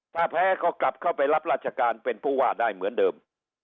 ถ้าแพ้ก็กลับเข้าไปรับราชการเป็นผู้ว่าได้เหมือนเดิม